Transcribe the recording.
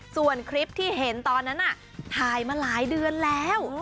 ส่วนคลิปที่เห็นตอนนั้นถ่ายมาหลายเดือนแล้ว